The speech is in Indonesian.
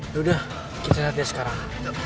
yaudah kita lihat dia sekarang